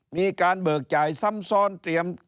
มีการเบิกจ่ายซ้ำซ้อนเตรียม